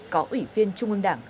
có ủy viên trung ương đảng